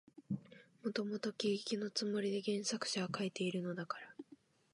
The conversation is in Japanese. もともと喜劇のつもりで原作者は書いているのだから、